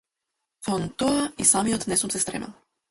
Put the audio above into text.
Кон тоа и самиот не сум се стремел.